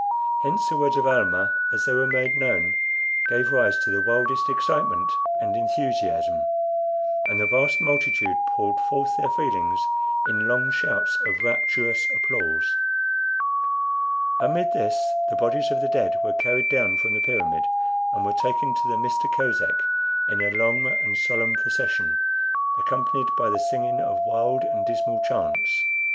Hence the words of Almah, as they were made known, gave rise to the wildest excitement and enthusiasm, and the vast multitude poured forth their feelings in long shouts of rapturous applause. Amid this the bodies of the dead were carried down from the pyramid, and were taken to the Mista Kosek in a long and solemn procession, accompanied by the singing of wild and dismal chants.